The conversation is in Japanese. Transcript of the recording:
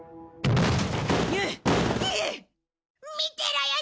見てろよ